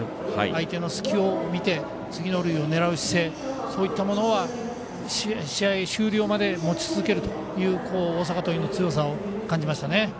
相手の隙を見て次の塁を狙う姿勢そういったものは試合終了まで持ち続けるという大阪桐蔭の強さを感じましたね。